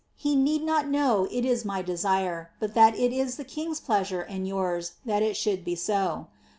He need not know it is my desire, but that it is the king's pleasure and yours that it should be so.